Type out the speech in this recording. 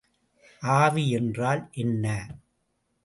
ஆவி என்றால் என்ன?